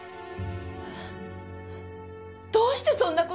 えっ！？どうしてそんな事。